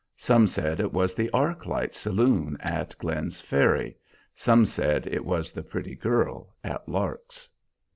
Some said it was the Arc light saloon at Glenn's Ferry; some said it was the pretty girl at Lark's.